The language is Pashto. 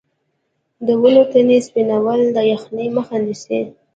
د ونو تنې سپینول د یخنۍ مخه نیسي؟